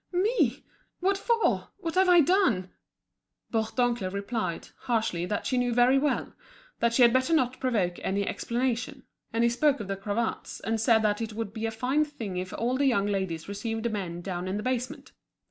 me! What for? What have I done?" Bourdoncle replied, harshly, that she knew very well, that she had better not provoke any explanation; and he spoke of the cravats, and said that it would be a fine thing if all the young ladies received men down in the basement.